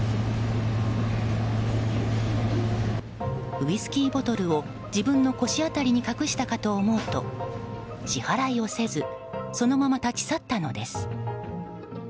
ウイスキーボトルを自分の腰辺りに隠したかと思うと支払いをせずそのまま立ち去ったのです。